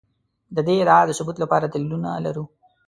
د دې ادعا د ثبوت لپاره دلیلونه لرو.